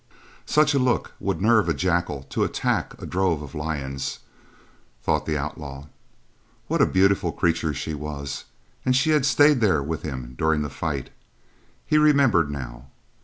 Such a look would nerve a jackal to attack a drove of lions, thought the outlaw. What a beautiful creature she was; and she had stayed there with him during the fight. He remembered now.